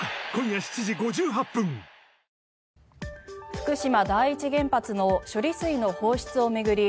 福島第一原発の処理水の放出を巡り